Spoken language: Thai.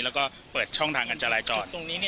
แล้วก็เปิดช่องทางกันจรายก่อน